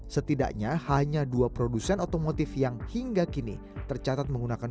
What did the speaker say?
setidaknya hanya dua produsen otomotif yang hingga kini tercatat menggunakan